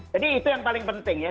jadi itu yang paling penting ya